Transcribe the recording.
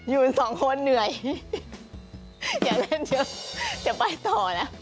ยูนสองคนเหนื่อยอยากเล่นเยอะจะไปต่อแล้ว